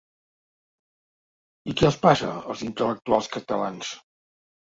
I què els passa, als intel·lectuals catalans?